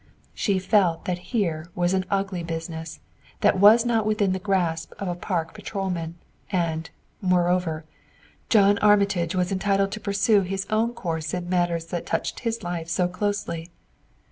She felt that here was an ugly business that was not within the grasp of a park patrolman, and, moreover, John Armitage was entitled to pursue his own course in matters that touched his life so closely.